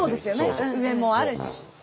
上もあるし。